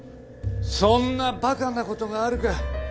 そんなバカなことがあるか。